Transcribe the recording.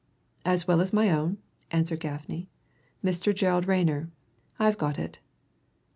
"As well as my own," answered Gaffney. "Mr. Gerald Rayner. I've got it."